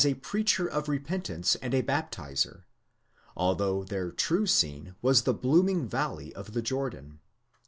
a preacher of repentance and a baptizer, although their true scene was the blooming valley of the Jordan.